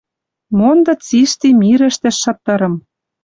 Монды цишти мирӹштӹш шытырым.